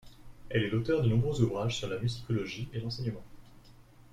Elle est auteure de nombreux ouvrages sur la musicologie et l'enseignement.